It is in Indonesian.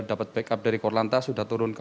dapat backup dari korlanta sudah turun ke